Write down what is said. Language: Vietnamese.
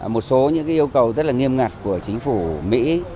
một số những yêu cầu rất là nghiêm ngặt của chính phủ mỹ